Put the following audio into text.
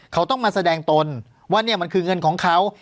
เขาต้องมาแสดงตนว่าเนี่ยมันคือเงินของเขา